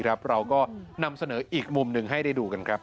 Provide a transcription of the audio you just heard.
เราก็นำเสนออีกมุมหนึ่งให้ได้ดูกันครับ